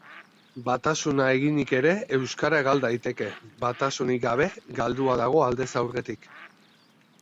Batasuna eginik ere, euskara gal daiteke; batasunik gabe, galdua dago aldez aurretik.